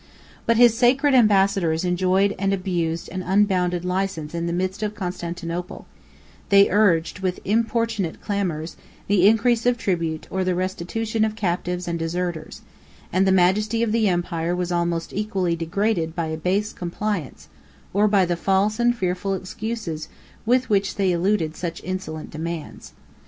But his sacred ambassadors enjoyed and abused an unbounded license in the midst of Constantinople: they urged, with importunate clamors, the increase of tribute, or the restitution of captives and deserters: and the majesty of the empire was almost equally degraded by a base compliance, or by the false and fearful excuses with which they eluded such insolent demands.